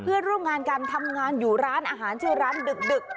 เพื่อนร่วมงานกันทำงานอยู่ร้านอาหารชื่อร้านดึก